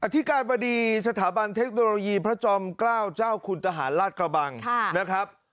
ธิการบดีสถาบันเทคโนโลยีพระจอมเกล้าเจ้าคุณทหารราชกระบังนะครับ